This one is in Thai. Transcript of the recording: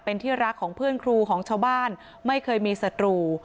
เป็นที่รักของเพื่อนครูของชาวบ้านไม่เคยมีศัตรู